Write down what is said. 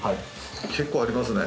結構ありますね。